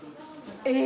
え！